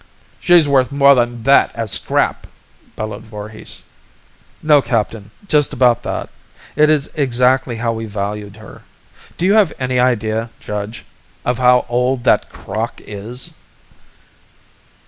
"She's worth more than that as scrap!" bellowed Voorhis. "No, captain, just about that. It is exactly how we valued her. Do you have any idea, Judge, of how old that crock is?"